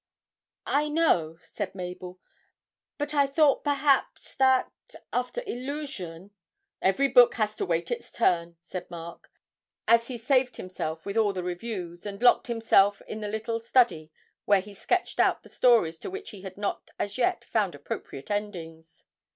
'I know,' said Mabel, 'but I thought perhaps that, after "Illusion" ' 'Every book has to wait its turn!' said Mark, as he saved himself with all the reviews, and locked himself in the little study where he sketched out the stories to which he had not as yet found appropriate endings.